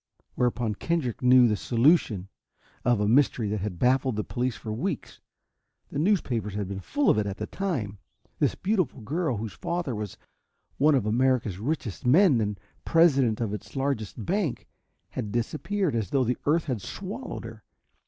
Whereupon Kendrick knew the solution of a mystery that had baffled the police for weeks. The newspapers had been full of it at the time. This beautiful girl, whose father was one of America's richest men and president of its largest bank, had disappeared as though the earth had swallowed her.